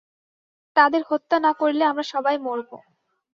তাদের হত্যা না করলে আমরা সবাই মরব।